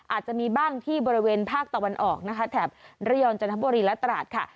อาจจะมีบ้างที่บริเวณภาคตะวันออกนะคะแถบระยองจันทบุรีและตราดค่ะ